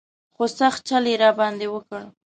خو سخت چل یې را باندې وکړ.